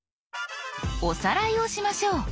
おさらいをしましょう。